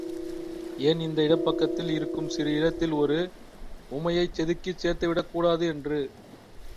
ஏன் இந்த இடப்பக்கத்தில் இருக்கும் சிறு இடத்தில் ஒரு உமையைச் செதுக்கிச் சேர்த்துவிடக் கூடாது என்று.